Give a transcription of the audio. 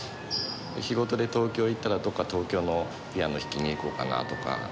仕事で東京へ行ったらどっか東京のピアノ弾きに行こうかなとか。